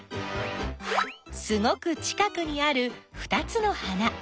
すごく近くにあるふたつの花。